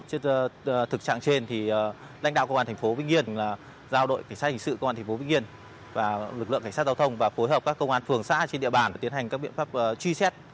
trước thực trạng trên thì lãnh đạo công an thành phố vĩnh yên là giao đội cảnh sát hình sự công an thành phố vĩnh yên và lực lượng cảnh sát giao thông và phối hợp các công an phường xã trên địa bàn tiến hành các biện pháp truy xét